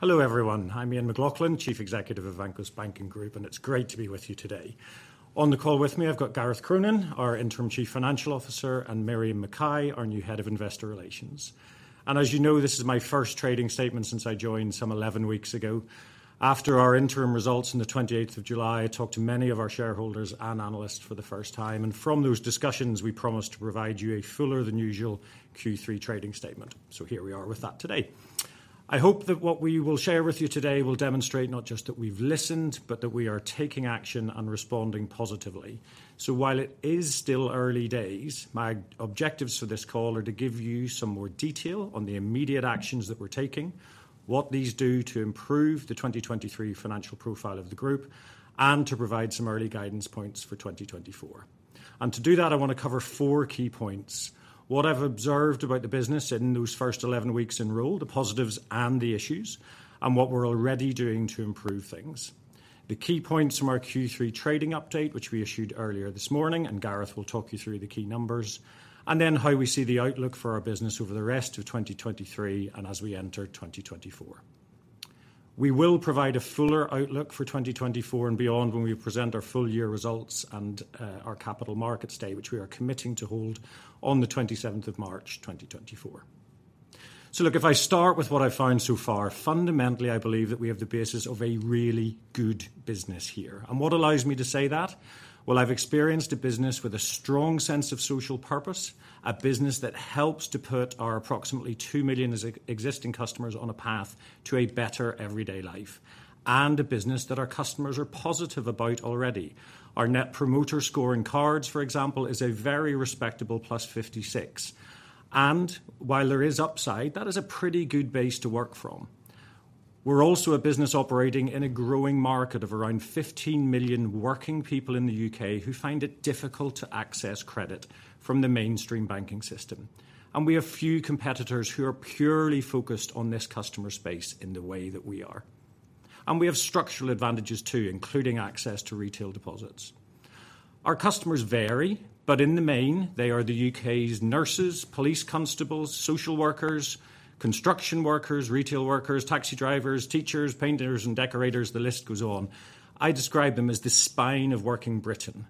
Hello, everyone, I'm Ian McLaughlin, Chief Executive of Vanquis Banking Group, and it's great to be with you today. On the call with me, I've got Gareth Cronin, our Interim Chief Financial Officer, and Miriam McKay, our new Head of Investor Relations. As you know, this is my first trading statement since I joined some 11 weeks ago. After our interim results on the 28th of July, I talked to many of our shareholders and analysts for the first time, and from those discussions, we promised to provide you a fuller than usual Q3 trading statement. So here we are with that today. I hope that what we will share with you today will demonstrate not just that we've listened, but that we are taking action and responding positively. So while it is still early days, my objectives for this call are to give you some more detail on the immediate actions that we're taking, what these do to improve the 2023 financial profile of the group, and to provide some early guidance points for 2024. To do that, I want to cover four key points: what I've observed about the business in those first 11 weeks in role, the positives and the issues, and what we're already doing to improve things, the key points from our Q3 trading update, which we issued earlier this morning, and Gareth will talk you through the key numbers, and then how we see the outlook for our business over the rest of 2023 and as we enter 2024. We will provide a fuller outlook for 2024 and beyond when we present our full-year results and our Capital Markets Day, which we are committing to hold on the 27th of March, 2024. So look, if I start with what I've found so far, fundamentally, I believe that we have the basis of a really good business here. And what allows me to say that? Well, I've experienced a business with a strong sense of social purpose, a business that helps to put our approximately 2 million existing customers on a path to a better everyday life, and a business that our customers are positive about already. Our Net Promoter Score in cards, for example, is a very respectable +56. And while there is upside, that is a pretty good base to work from. We're also a business operating in a growing market of around 15 million working people in the U.K. who find it difficult to access credit from the mainstream banking system. We have few competitors who are purely focused on this customer space in the way that we are. We have structural advantages, too, including access to retail deposits. Our customers vary, but in the main, they are the U.K.'s nurses, police constables, social workers, construction workers, retail workers, taxi drivers, teachers, painters and decorators, the list goes on. I describe them as the spine of working Britain.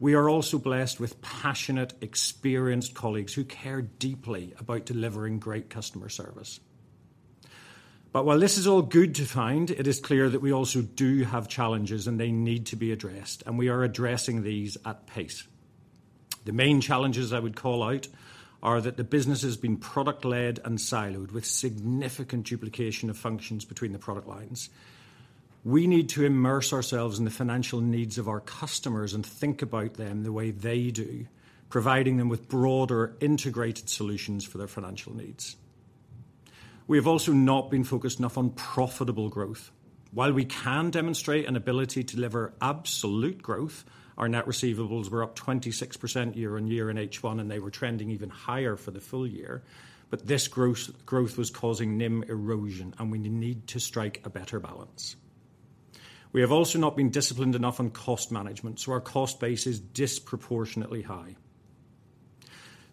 We are also blessed with passionate, experienced colleagues who care deeply about delivering great customer service. While this is all good to find, it is clear that we also do have challenges and they need to be addressed, and we are addressing these at pace. The main challenges I would call out are that the business has been product-led and siloed, with significant duplication of functions between the product lines. We need to immerse ourselves in the financial needs of our customers and think about them the way they do, providing them with broader, integrated solutions for their financial needs. We have also not been focused enough on profitable growth. While we can demonstrate an ability to deliver absolute growth, our net receivables were up 26% year-over-year in H1, and they were trending even higher for the full-year. But this gross growth was causing NIM erosion, and we need to strike a better balance. We have also not been disciplined enough on cost management, so our cost base is disproportionately high.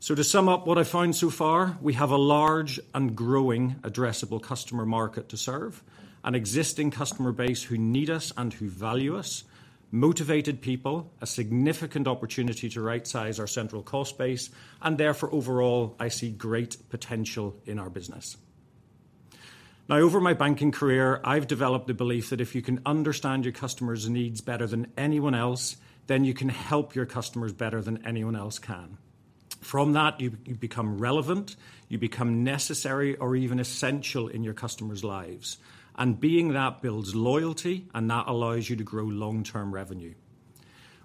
To sum up what I've found so far, we have a large and growing addressable customer market to serve, an existing customer base who need us and who value us, motivated people, a significant opportunity to rightsize our central cost base, and therefore, overall, I see great potential in our business. Now, over my banking career, I've developed the belief that if you can understand your customers' needs better than anyone else, then you can help your customers better than anyone else can. From that, you, you become relevant, you become necessary or even essential in your customers' lives. And being that builds loyalty, and that allows you to grow long-term revenue.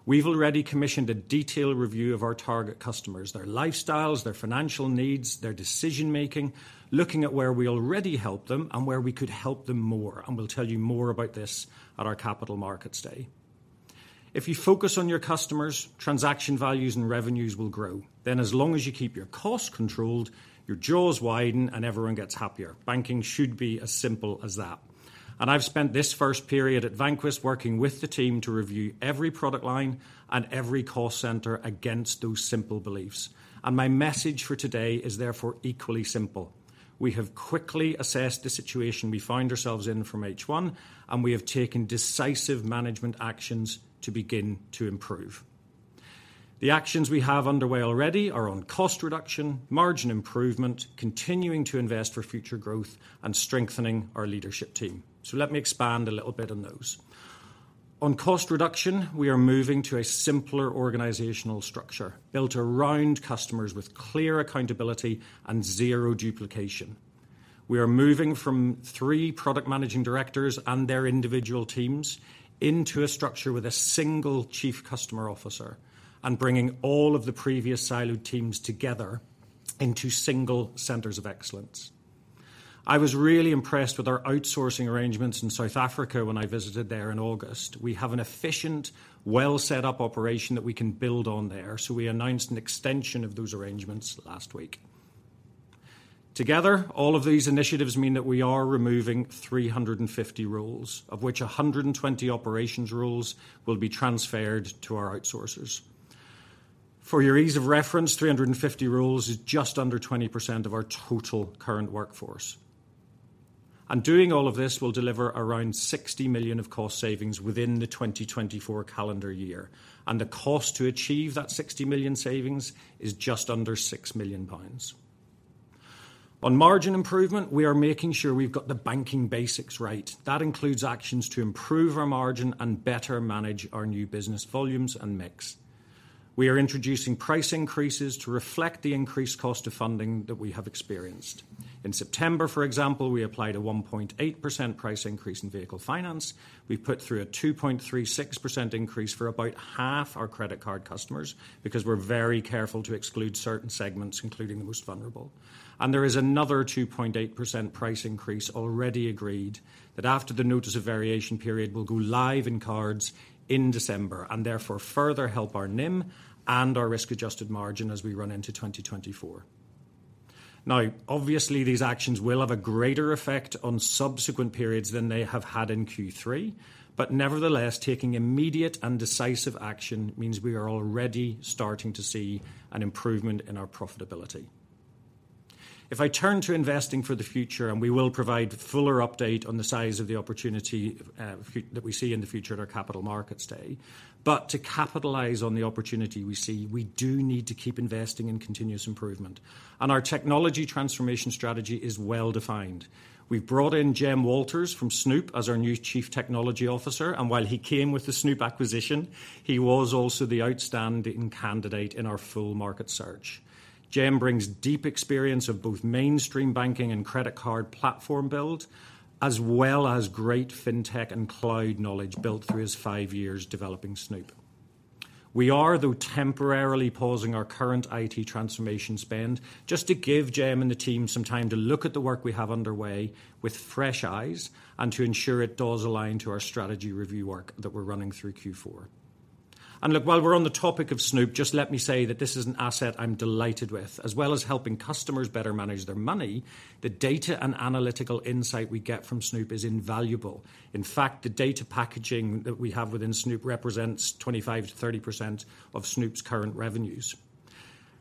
We've already commissioned a detailed review of our target customers, their lifestyles, their financial needs, their decision-making, looking at where we already help them and where we could help them more, and we'll tell you more about this at our Capital Markets Day. If you focus on your customers, transaction values and revenues will grow. Then as long as you keep your costs controlled, your jaws widen and everyone gets happier. Banking should be as simple as that. I've spent this first period at Vanquis working with the team to review every product line and every cost center against those simple beliefs. My message for today is therefore equally simple: We have quickly assessed the situation we find ourselves in from H1, and we have taken decisive management actions to begin to improve. The actions we have underway already are on cost reduction, margin improvement, continuing to invest for future growth, and strengthening our leadership team. Let me expand a little bit on those. On cost reduction, we are moving to a simpler organizational structure, built around customers with clear accountability and zero duplication. We are moving from three product managing directors and their individual teams into a structure with a single Chief Customer Officer and bringing all of the previous siloed teams together into single centers of excellence. I was really impressed with our outsourcing arrangements in South Africa when I visited there in August. We have an efficient, well-set-up operation that we can build on there, so we announced an extension of those arrangements last week. Together, all of these initiatives mean that we are removing 350 roles, of which 120 operations roles will be transferred to our outsourcers. For your ease of reference, 350 roles is just under 20% of our total current workforce. Doing all of this will deliver around 60 million of cost savings within the 2024 calendar year, and the cost to achieve that 60 million savings is just under 6 million pounds. On margin improvement, we are making sure we've got the banking basics right. That includes actions to improve our margin and better manage our new business volumes and mix. We are introducing price increases to reflect the increased cost of funding that we have experienced. In September, for example, we applied a 1.8% price increase in vehicle finance. We put through a 2.36% increase for about half our credit card customers, because we're very careful to exclude certain segments, including the most vulnerable. And there is another 2.8% price increase already agreed, that after the notice of variation period, will go live in cards in December and therefore further help our NIM and our risk-adjusted margin as we run into 2024. Now, obviously, these actions will have a greater effect on subsequent periods than they have had in Q3, but nevertheless, taking immediate and decisive action means we are already starting to see an improvement in our profitability. If I turn to investing for the future, and we will provide a fuller update on the size of the opportunity, that we see in the future at our Capital Markets Day. But to capitalize on the opportunity we see, we do need to keep investing in continuous improvement, and our technology transformation strategy is well defined. We've brought in Jem Walters from Snoop as our new Chief Technology Officer, and while he came with the Snoop acquisition, he was also the outstanding candidate in our full market search. Jem brings deep experience of both mainstream banking and credit card platform build, as well as great fintech and cloud knowledge built through his five years developing Snoop. We are, though, temporarily pausing our current IT transformation spend just to give Jem and the team some time to look at the work we have underway with fresh eyes and to ensure it does align to our strategy review work that we're running through Q4. Look, while we're on the topic of Snoop, just let me say that this is an asset I'm delighted with. As well as helping customers better manage their money, the data and analytical insight we get from Snoop is invaluable. In fact, the data packaging that we have within Snoop represents 25%-30% of Snoop's current revenues.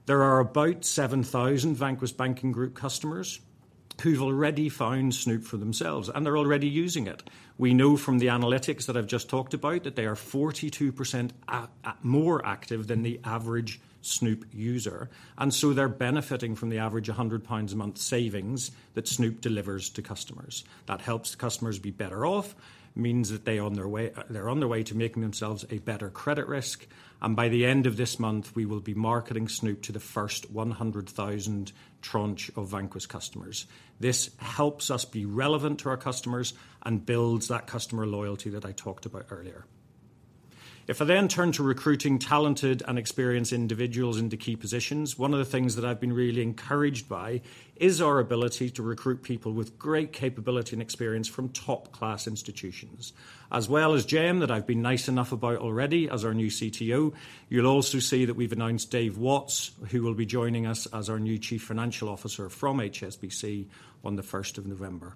There are about 7,000 Vanquis Banking Group customers who've already found Snoop for themselves, and they're already using it. We know from the analytics that I've just talked about, that they are 42% more active than the average Snoop user, and so they're benefiting from the average 100 pounds a month savings that Snoop delivers to customers. That helps the customers be better off, means that they're on their way to making themselves a better credit risk, and by the end of this month, we will be marketing Snoop to the first 100,000 tranche of Vanquis customers. This helps us be relevant to our customers and builds that customer loyalty that I talked about earlier. If I then turn to recruiting talented and experienced individuals into key positions, one of the things that I've been really encouraged by is our ability to recruit people with great capability and experience from top-class institutions. As well as Jem, that I've been nice enough about already as our new CTO, you'll also see that we've announced Dave Watts, who will be joining us as our new Chief Financial Officer from HSBC on the first of November.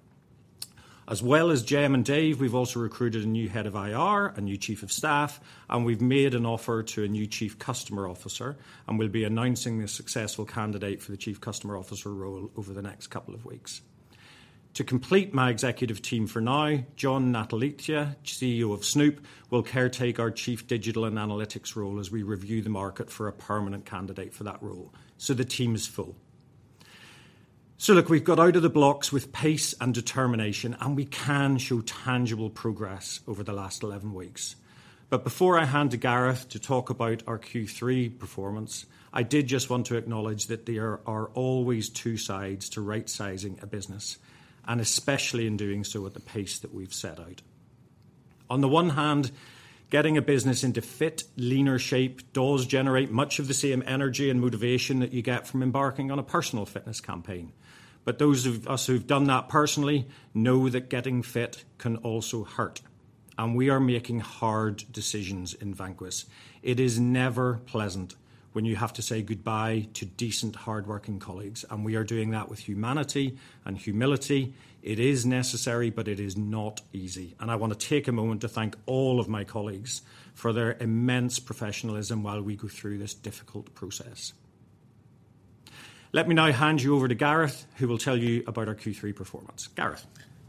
As well as Jem and Dave, we've also recruited a new head of IR, a new chief of staff, and we've made an offer to a new chief customer officer, and we'll be announcing the successful candidate for the chief customer officer role over the next couple of weeks. To complete my executive team for now, John Natalizia, CEO of Snoop, will caretaker our chief digital and analytics role as we review the market for a permanent candidate for that role, so the team is full. So look, we've got out of the blocks with pace and determination, and we can show tangible progress over the last 11 weeks. But before I hand to Gareth to talk about our Q3 performance, I did just want to acknowledge that there are always two sides to right-sizing a business, and especially in doing so at the pace that we've set out. On the one hand, getting a business into fit, leaner shape does generate much of the same energy and motivation that you get from embarking on a personal fitness campaign. But those of us who've done that personally know that getting fit can also hurt, and we are making hard decisions in Vanquis. It is never pleasant when you have to say goodbye to decent, hardworking colleagues, and we are doing that with humanity and humility. It is necessary, but it is not easy, and I want to take a moment to thank all of my colleagues for their immense professionalism while we go through this difficult process. Let me now hand you over to Gareth, who will tell you about our Q3 performance. Gareth?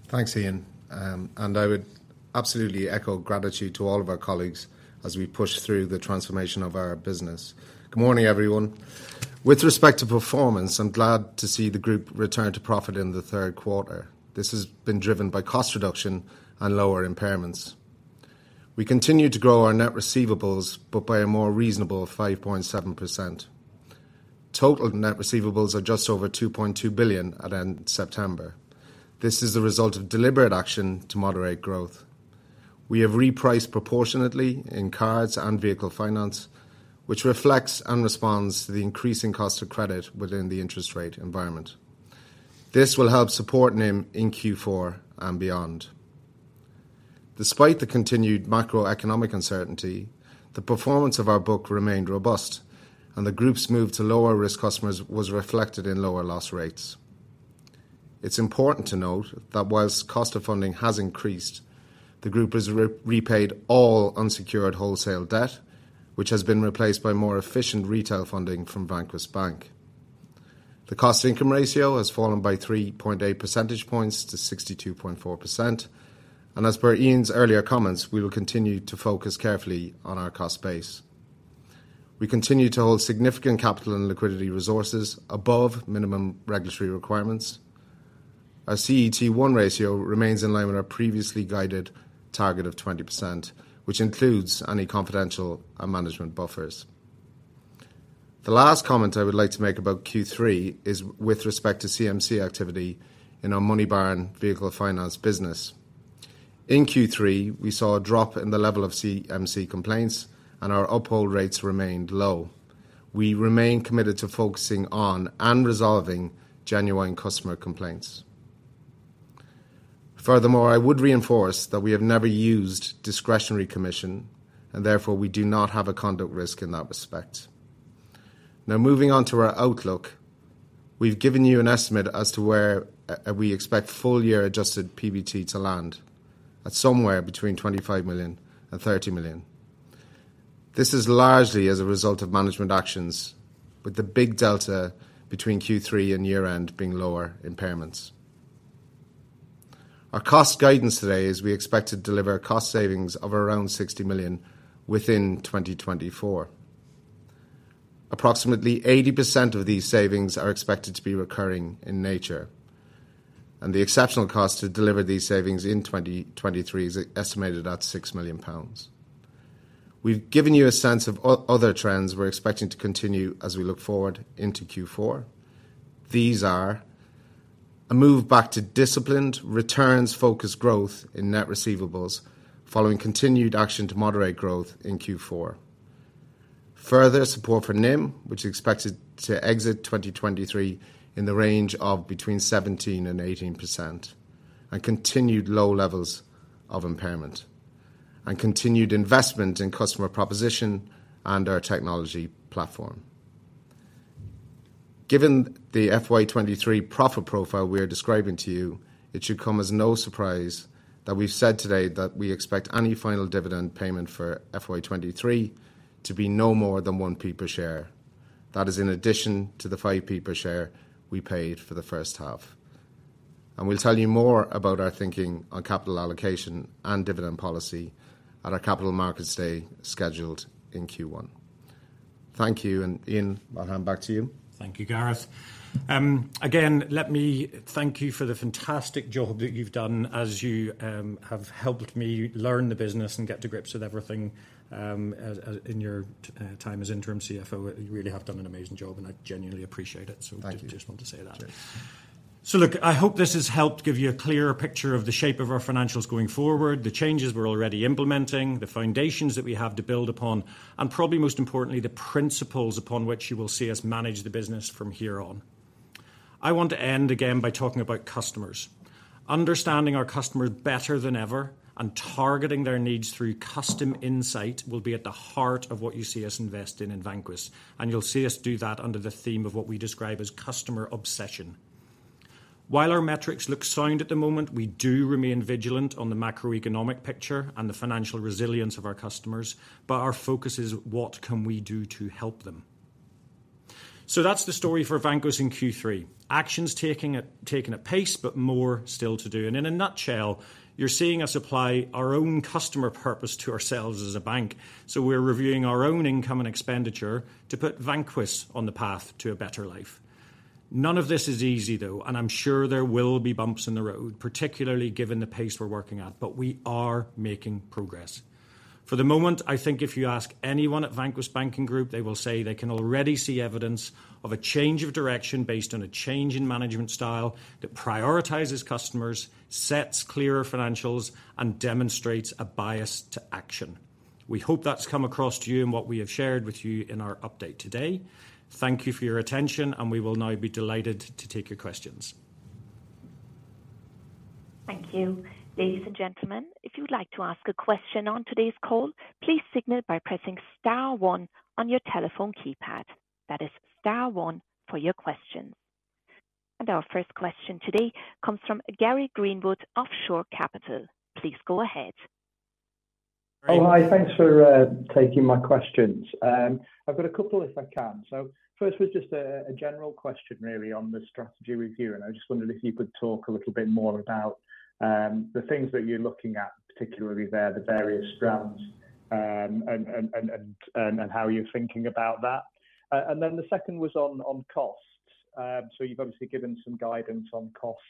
Thanks, Ian, and I would absolutely echo gratitude to all of our colleagues as we push through the transformation of our business. Good morning, everyone. With respect to performance, I'm glad to see the group return to profit in the third quarter. This has been driven by cost reduction and lower impairments. We continue to grow our net receivables, but by a more reasonable 5.7%. Total net receivables are just over 2.2 billion at end September. This is the result of deliberate action to moderate growth. We have repriced proportionately in cards and vehicle finance, which reflects and responds to the increasing cost of credit within the interest rate environment. This will help support NIM in Q4 and beyond. Despite the continued macroeconomic uncertainty, the performance of our book remained robust, and the group's move to lower-risk customers was reflected in lower loss rates.... It's important to note that while cost of funding has increased, the group has re-repaid all unsecured wholesale debt, which has been replaced by more efficient retail funding from Vanquis Bank. The cost-to-income ratio has fallen by 3.8 percentage points to 62.4%, and as per Ian's earlier comments, we will continue to focus carefully on our cost base. We continue to hold significant capital and liquidity resources above minimum regulatory requirements. Our CET1 ratio remains in line with our previously guided target of 20%, which includes any confidential and management buffers. The last comment I would like to make about Q3 is with respect to CMC activity in our Moneybarn Vehicle Finance business. In Q3, we saw a drop in the level of CMC complaints, and our uphold rates remained low. We remain committed to focusing on and resolving genuine customer complaints. Furthermore, I would reinforce that we have never used discretionary commission, and therefore we do not have a conduct risk in that respect. Now, moving on to our outlook. We've given you an estimate as to where we expect full-year adjusted PBT to land, at somewhere between 25 million and 30 million. This is largely as a result of management actions, with the big delta between Q3 and year-end being lower impairments. Our cost guidance today is we expect to deliver cost savings of around 60 million within 2024. Approximately 80% of these savings are expected to be recurring in nature, and the exceptional cost to deliver these savings in 2023 is estimated at 6 million pounds. We've given you a sense of other trends we're expecting to continue as we look forward into Q4. These are: a move back to disciplined, returns-focused growth in net receivables, following continued action to moderate growth in Q4. Further support for NIM, which is expected to exit 2023 in the range of between 17%-18%, and continued low levels of impairment, and continued investment in customer proposition and our technology platform. Given the FY 2023 profit profile we are describing to you, it should come as no surprise that we've said today that we expect any final dividend payment for FY 2023 to be no more than 1p per share. That is in addition to the 5p per share we paid for the first half. We'll tell you more about our thinking on capital allocation and dividend policy at our Capital Markets Day scheduled in Q1. Thank you, and Ian, I'll hand back to you. Thank you, Gareth. Again, let me thank you for the fantastic job that you've done as you have helped me learn the business and get to grips with everything, as in your time as Interim CFO. You really have done an amazing job, and I genuinely appreciate it. Thank you. So just want to say that. So look, I hope this has helped give you a clearer picture of the shape of our financials going forward, the changes we're already implementing, the foundations that we have to build upon, and probably most importantly, the principles upon which you will see us manage the business from here on. I want to end again by talking about customers. Understanding our customers better than ever and targeting their needs through customer insight will be at the heart of what you see us invest in, in Vanquis, and you'll see us do that under the theme of what we describe as customer obsession. While our metrics look sound at the moment, we do remain vigilant on the macroeconomic picture and the financial resilience of our customers, but our focus is: What can we do to help them? So that's the story for Vanquis in Q3. Actions taking a pace, but more still to do. In a nutshell, you're seeing us apply our own customer purpose to ourselves as a bank, so we're reviewing our own income and expenditure to put Vanquis on the path to a better life. None of this is easy, though, and I'm sure there will be bumps in the road, particularly given the pace we're working at. We are making progress. For the moment, I think if you ask anyone at Vanquis Banking Group, they will say they can already see evidence of a change of direction based on a change in management style that prioritizes customers, sets clearer financials, and demonstrates a bias to action. We hope that's come across to you in what we have shared with you in our update today. Thank you for your attention, and we will now be delighted to take your questions. Thank you. Ladies and gentlemen, if you'd like to ask a question on today's call, please signal by pressing star one on your telephone keypad. That is star one for your questions. Our first question today comes from Gary Greenwood, Shore Capital. Please go ahead. Oh, hi. Thanks for taking my questions. I've got a couple, if I can. So first was just a general question, really, on the strategy review, and I just wondered if you could talk a little bit more about the things that you're looking at, particularly there, the various strands, and how you're thinking about that. And then the second was on costs. So you've obviously given some guidance on costs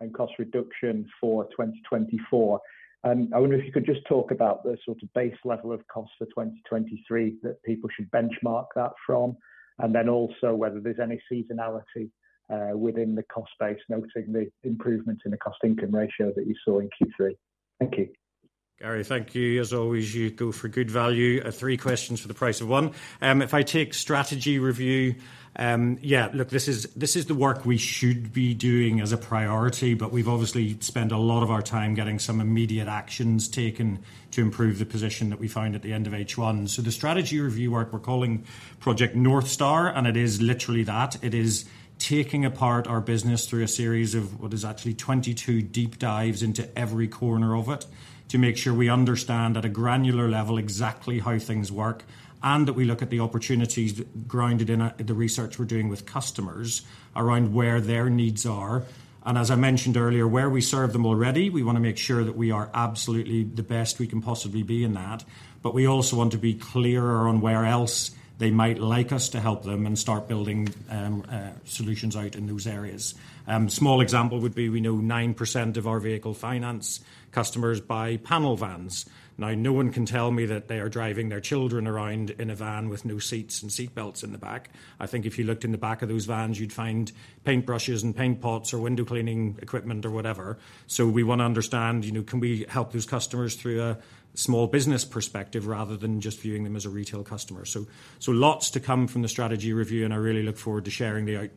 and cost reduction for 2024. I wonder if you could just talk about the sort of base level of costs for 2023, that people should benchmark that from, and then also whether there's any seasonality within the cost base, noting the improvement in the cost-to-income ratio that you saw in Q3. Thank you. Gary, thank you. As always, you go for good value, three questions for the price of one. If I take strategy review, yeah, look, this is, this is the work we should be doing as a priority, but we've obviously spent a lot of our time getting some immediate actions taken to improve the position that we found at the end of H1. So the strategy review work, we're calling Project North Star, and it is literally that. It is taking apart our business through a series of what is actually 22 deep dives into every corner of it, to make sure we understand at a granular level exactly how things work, and that we look at the opportunities grounded in, the research we're doing with customers around where their needs are. As I mentioned earlier, where we serve them already, we wanna make sure that we are absolutely the best we can possibly be in that. But we also want to be clearer on where else they might like us to help them and start building solutions out in those areas. Small example would be, we know 9% of our vehicle finance customers buy panel vans. Now, no one can tell me that they are driving their children around in a van with no seats and seat belts in the back. I think if you looked in the back of those vans, you'd find paintbrushes and paint pots or window cleaning equipment or whatever. So we wanna understand, you know, can we help those customers through a small business perspective, rather than just viewing them as a retail customer? Lots to come from the strategy review, and I really look forward to sharing the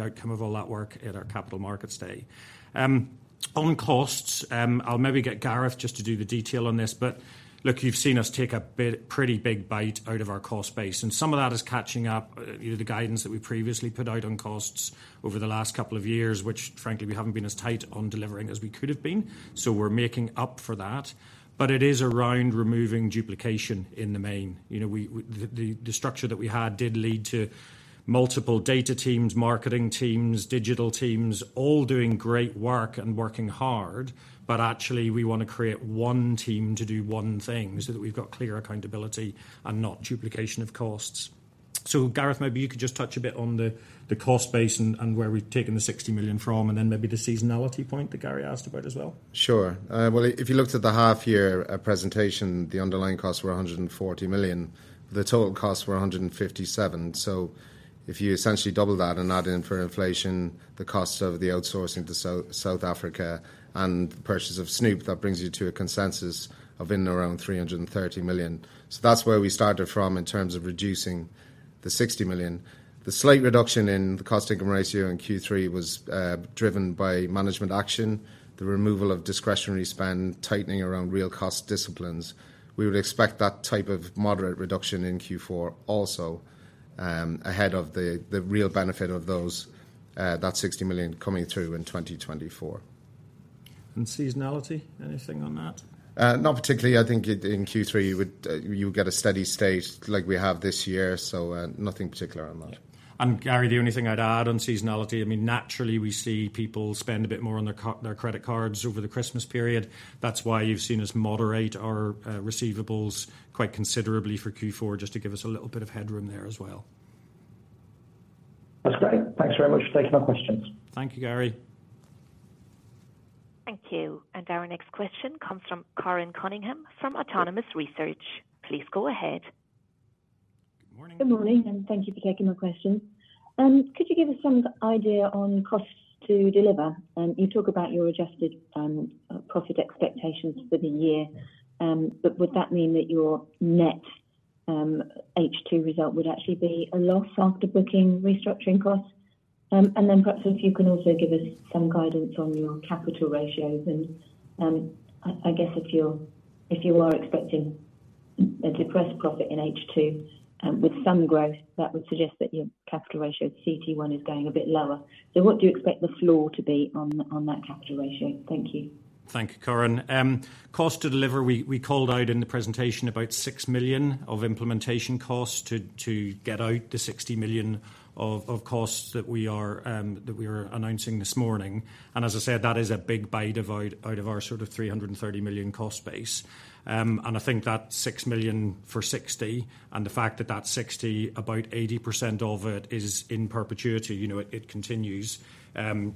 outcome of all that work at our Capital Markets Day. On costs, I'll maybe get Gareth just to do the detail on this, but look, you've seen us take a bit, pretty big bite out of our cost base, and some of that is catching up. You know, the guidance that we previously put out on costs over the last couple of years, which, frankly, we haven't been as tight on delivering as we could have been. So we're making up for that. But it is around removing duplication in the main. You know, the structure that we had did lead to multiple data teams, marketing teams, digital teams, all doing great work and working hard. But actually, we wanna create one team to do one thing, so that we've got clear accountability and not duplication of costs. So, Gareth, maybe you could just touch a bit on the cost base and where we've taken the 60 million from, and then maybe the seasonality point that Gary asked about as well. Sure. Well, if you looked at the half year presentation, the underlying costs were 140 million. The total costs were 157 million. So if you essentially double that and add in for inflation, the costs of the outsourcing to South Africa and the purchase of Snoop, that brings you to a consensus of in around 330 million. So that's where we started from in terms of reducing the 60 million. The slight reduction in the cost income ratio in Q3 was driven by management action, the removal of discretionary spend, tightening around real cost disciplines. We would expect that type of moderate reduction in Q4 also, ahead of the real benefit of those that 60 million coming through in 2024. Seasonality, anything on that? Not particularly. I think it, in Q3, you would get a steady state like we have this year, so, nothing particular on that. Gary, the only thing I'd add on seasonality, I mean, naturally, we see people spend a bit more on their credit cards over the Christmas period. That's why you've seen us moderate our receivables quite considerably for Q4, just to give us a little bit of headroom there as well. That's great. Thanks very much for taking my questions. Thank you, Gary. Thank you. Our next question comes from Corinne Cunningham from Autonomous Research. Please go ahead. Good morning, and thank you for taking my question. Could you give us some idea on costs to deliver? You talk about your adjusted, profit expectations for the year, but would that mean that your net, H2 result would actually be a loss after booking restructuring costs? And then perhaps if you can also give us some guidance on your capital ratios, and, I, I guess if you're, if you are expecting a depressed profit in H2, with some growth, that would suggest that your capital ratio, CET1, is going a bit lower. So what do you expect the floor to be on, on that capital ratio? Thank you. Thank you, Corinne. Cost to deliver, we called out in the presentation about 6 million of implementation costs to get out the 60 million of costs that we are announcing this morning. And as I said, that is a big bite out of our sort of 300 million cost base. And I think that 6 million for 60 million, and the fact that that 60 million, about 80% of it is in perpetuity, you know, it continues,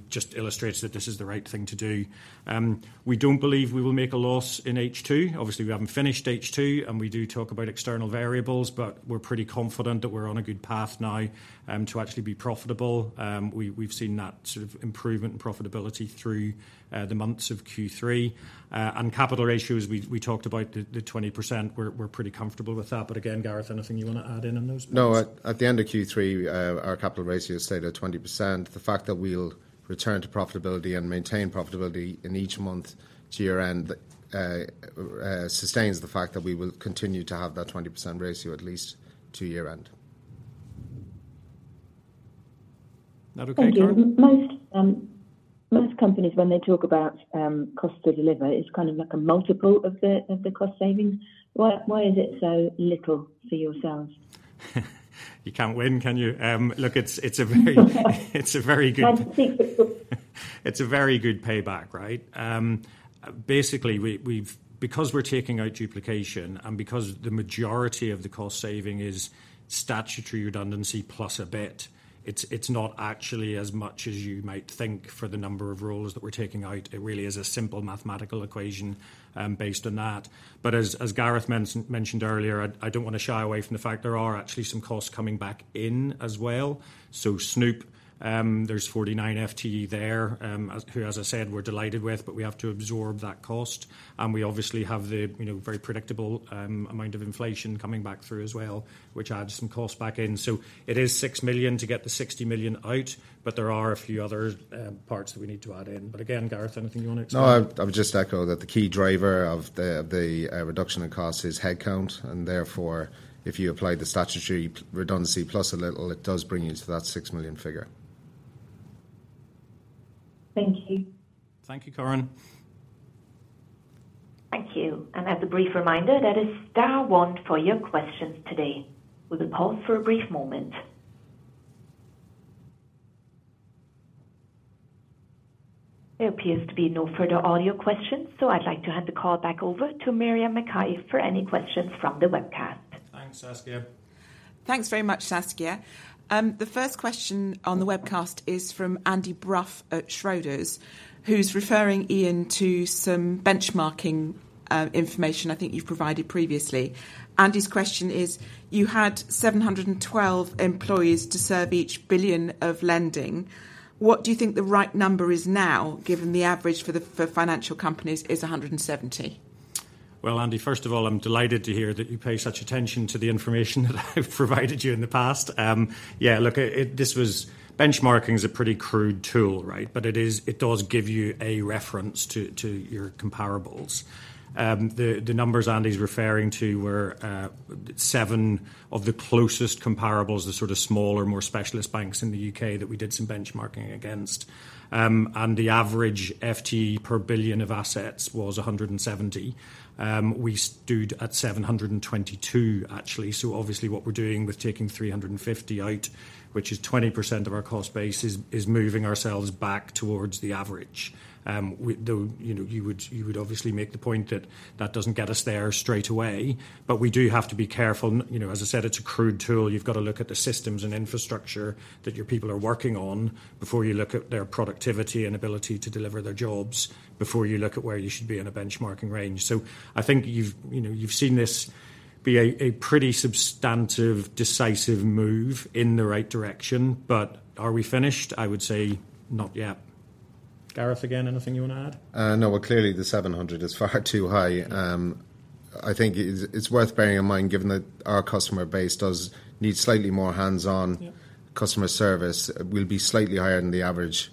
just illustrates that this is the right thing to do. We don't believe we will make a loss in H2. Obviously, we haven't finished H2, and we do talk about external variables, but we're pretty confident that we're on a good path now to actually be profitable. We've seen that sort of improvement in profitability through the months of Q3. And capital ratios, we talked about the 20%. We're pretty comfortable with that. But again, Gareth, anything you wanna add in on those points? No. At the end of Q3, our capital ratio stayed at 20%. The fact that we'll return to profitability and maintain profitability in each month to year-end sustains the fact that we will continue to have that 20% ratio at least to year-end. Is that okay, Corinne? Thank you. Most, most companies, when they talk about, cost to deliver, it's kind of like a multiple of the, of the cost savings. Why, why is it so little for yourselves? You can't win, can you? Look, it's a very good— I see. It's a very good payback, right? Basically, because we're taking out duplication and because the majority of the cost saving is statutory redundancy plus a bit, it's not actually as much as you might think for the number of roles that we're taking out. It really is a simple mathematical equation based on that. But as Gareth mentioned earlier, I don't want to shy away from the fact there are actually some costs coming back in as well. So Snoop, there's 49 FTE there, as I said, we're delighted with, but we have to absorb that cost. And we obviously have the, you know, very predictable amount of inflation coming back through as well, which adds some cost back in. So it is 6 million to get the 60 million out, but there are a few other parts that we need to add in. But again, Gareth, anything you want to add? No, I would just echo that the key driver of the reduction in costs is headcount, and therefore, if you apply the statutory redundancy plus a little, it does bring you to that 6 million figure. Thank you. Thank you, Corinne. Thank you. As a brief reminder, that is star one for your questions today. We'll pause for a brief moment. There appears to be no further audio questions, so I'd like to hand the call back over to Miriam McKay for any questions from the webcast. Thanks, Saskia. Thanks very much, Saskia. The first question on the webcast is from Andy Brough at Schroders, who's referring Ian to some benchmarking information I think you've provided previously. Andy's question is: You had 712 employees to serve each billion of lending. What do you think the right number is now, given the average for financial companies is 170? Well, Andy, first of all, I'm delighted to hear that you pay such attention to the information that I've provided you in the past. Yeah, look, benchmarking is a pretty crude tool, right? But it is. It does give you a reference to your comparables. The numbers Andy's referring to were 7 of the closest comparables, the sort of smaller, more specialist banks in the U.K. that we did some benchmarking against. The average FTE per billion of assets was 170. We stood at 722, actually. So obviously, what we're doing with taking 350 out, which is 20% of our cost base, is moving ourselves back towards the average. We thought, you know, you would obviously make the point that that doesn't get us there straight away, but we do have to be careful. You know, as I said, it's a crude tool. You've got to look at the systems and infrastructure that your people are working on before you look at their productivity and ability to deliver their jobs, before you look at where you should be in a benchmarking range. So I think you've, you know, you've seen this be a pretty substantive, decisive move in the right direction. But are we finished? I would say not yet. Gareth, again, anything you want to add? No, well, clearly, the 700 is far too high. I think it, it's worth bearing in mind, given that our customer base does need slightly more hands-on-customer service, we'll be slightly higher than the average,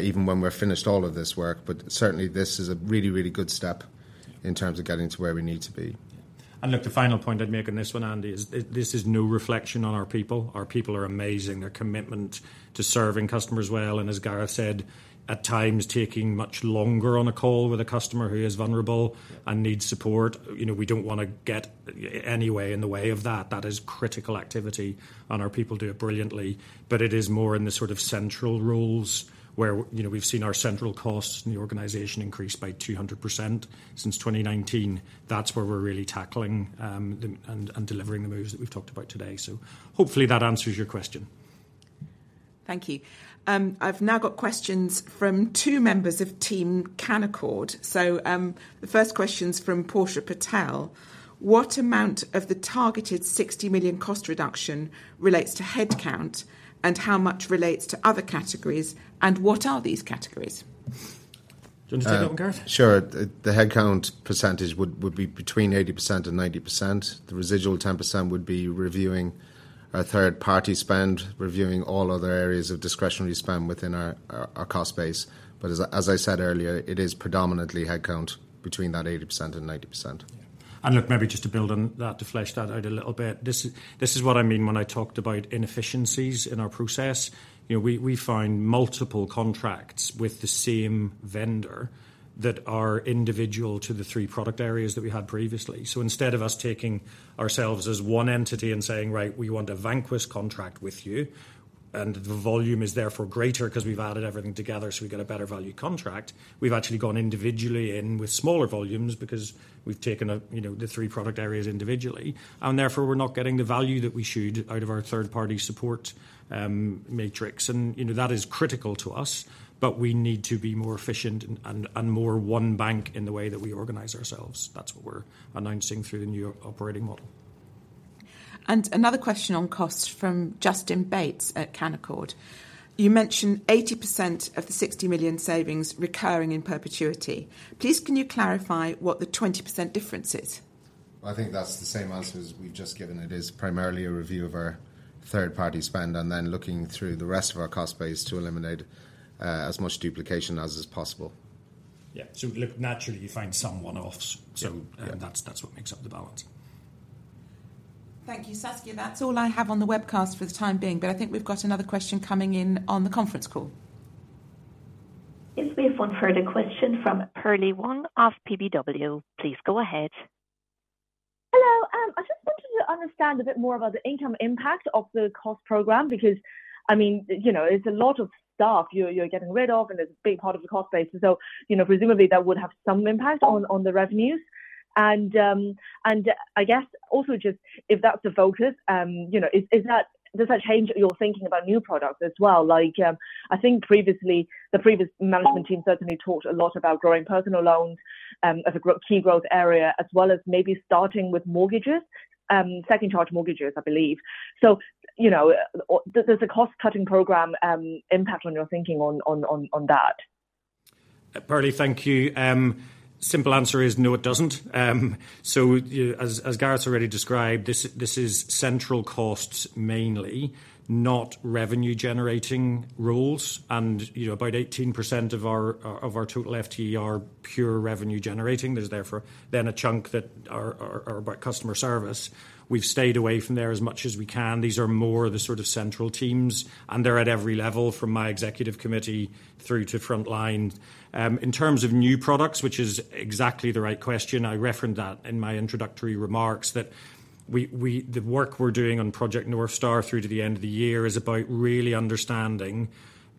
even when we're finished all of this work. But certainly, this is a really, really good step in terms of getting to where we need to be. And look, the final point I'd make on this one, Andy, is this, this is no reflection on our people. Our people are amazing. Their commitment to serving customers well, and as Gareth said, at times taking much longer on a call with a customer who is vulnerable and needs support. You know, we don't want to get any way in the way of that. That is critical activity, and our people do it brilliantly. But it is more in the sort of central roles where, you know, we've seen our central costs in the organization increase by 200% since 2019. That's where we're really tackling and delivering the moves that we've talked about today. So hopefully that answers your question. Thank you. I've now got questions from two members of team Canaccord. So, the first question is from Portia Patel: What amount of the targeted 60 million cost reduction relates to headcount, and how much relates to other categories, and what are these categories? Do you want to take that one, Gareth? Sure. The headcount percentage would be between 80% and 90%. The residual 10% would be reviewing our third-party spend, reviewing all other areas of discretionary spend within our cost base. But as I said earlier, it is predominantly headcount between that 80% and 90%. Yeah. Look, maybe just to build on that, to flesh that out a little bit, this is what I mean when I talked about inefficiencies in our process. You know, we find multiple contracts with the same vendor that are individual to the three product areas that we had previously. So instead of us taking ourselves as one entity and saying, "Right, we want a Vanquis contract with you," and the volume is therefore greater because we've added everything together, so we get a better value contract. We've actually gone individually in with smaller volumes because we've taken out, you know, the three product areas individually, and therefore, we're not getting the value that we should out of our third-party support matrix, and, you know, that is critical to us. But we need to be more efficient and more one bank in the way that we organize ourselves. That's what we're announcing through the new operating model. Another question on costs from Justin Bates at Canaccord: You mentioned 80% of the 60 million savings recurring in perpetuity. Please, can you clarify what the 20% difference is? I think that's the same answer as we've just given. It is primarily a review of our third-party spend, and then looking through the rest of our cost base to eliminate, as much duplication as is possible. Yeah. So look, naturally, you find some one-offs. Yeah. That's, that's what makes up the balance. Thank you. Saskia, that's all I have on the webcast for the time being, but I think we've got another question coming in on the conference call. Yes, we have one further question from Perlie Mong of KBW. Please go ahead. Hello. I just wanted to understand a bit more about the income impact of the cost program, because, I mean, you know, it's a lot of stuff you're getting rid of, and it's a big part of the cost base. So, you know, presumably, that would have some impact on the revenues. And I guess also just if that's the focus, you know, is that, does that change your thinking about new products as well? Like, I think previously, the previous management team certainly talked a lot about growing personal loans as a key growth area, as well as maybe starting with mortgages, second charge mortgages, I believe. So, you know, does the cost-cutting program impact on your thinking on that? Perlie, thank you. Simple answer is no, it doesn't. So you... as Gareth's already described, this is central costs mainly, not revenue-generating roles. And, you know, about 18% of our total FTE are pure revenue generating. There's therefore then a chunk that are about customer service. We've stayed away from there as much as we can. These are more the sort of central teams, and they're at every level, from my executive committee through to frontline. In terms of new products, which is exactly the right question, I referenced that in my introductory remarks, that the work we're doing on Project North Star through to the end of the year is about really understanding,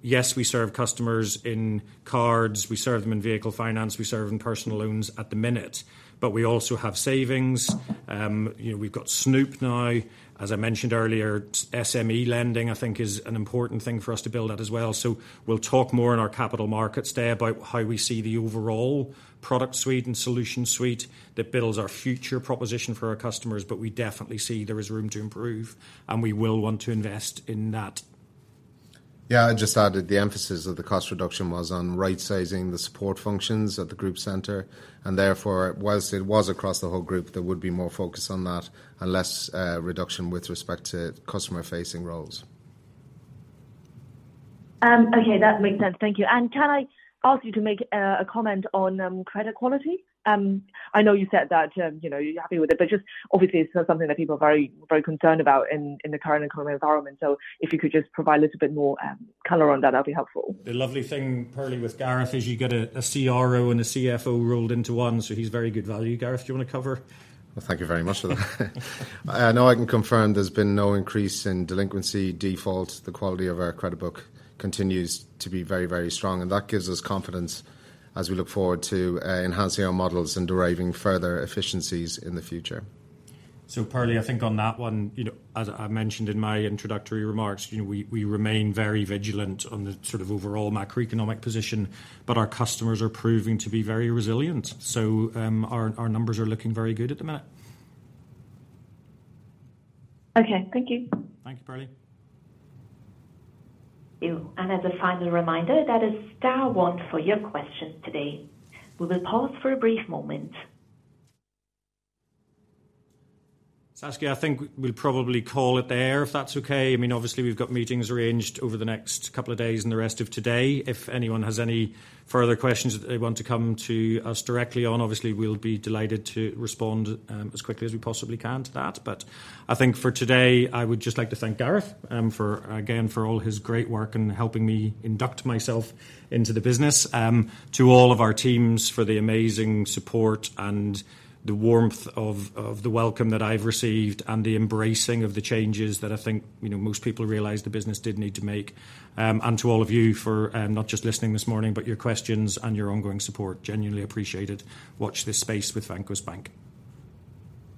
yes, we serve customers in cards, we serve them in vehicle finance, we serve in personal loans at the minute. But we also have savings, you know, we've got Snoop now. As I mentioned earlier, SME lending, I think, is an important thing for us to build out as well. So we'll talk more in our Capital Markets Day about how we see the overall product suite and solution suite that builds our future proposition for our customers, but we definitely see there is room to improve, and we will want to invest in that. Yeah, I'd just add that the emphasis of the cost reduction was on right-sizing the support functions at the group center, and therefore, whilst it was across the whole group, there would be more focus on that and less reduction with respect to customer-facing roles. Okay, that makes sense. Thank you. And can I ask you to make a comment on credit quality? I know you said that you know, you're happy with it, but just obviously, it's not something that people are very, very concerned about in the current economic environment. So if you could just provide a little bit more color on that, that'd be helpful. The lovely thing, Perlie, with Gareth, is you get a CRO and a CFO rolled into one, so he's very good value. Gareth, do you want to cover? Well, thank you very much for that. No, I can confirm there's been no increase in delinquency, default. The quality of our credit book continues to be very, very strong, and that gives us confidence as we look forward to enhancing our models and deriving further efficiencies in the future. So Perlie, I think on that one, you know, as I mentioned in my introductory remarks, you know, we remain very vigilant on the sort of overall macroeconomic position, but our customers are proving to be very resilient. So, our numbers are looking very good at the minute. Okay. Thank you. Thank you, Perlie. And as a final reminder, that is star one for your questions today. We will pause for a brief moment. Saskia, I think we'll probably call it there, if that's okay. I mean, obviously, we've got meetings arranged over the next couple of days and the rest of today. If anyone has any further questions that they want to come to us directly on, obviously, we'll be delighted to respond as quickly as we possibly can to that. But I think for today, I would just like to thank Gareth for again, for all his great work and helping me induct myself into the business. To all of our teams for the amazing support and the warmth of, of the welcome that I've received and the embracing of the changes that I think, you know, most people realize the business did need to make. And to all of you for, not just listening this morning, but your questions and your ongoing support. Genuinely appreciated. Watch this space with Vanquis Bank.